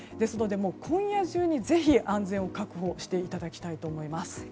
今夜中に、ぜひ安全を確保していただきたいと思います。